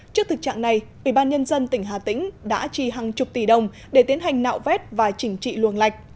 trước thực trạng này ủy ban nhân dân tỉnh hà tĩnh đã trì hàng chục tỷ đồng để tiến hành nạo vét và chỉnh trị luồng lạch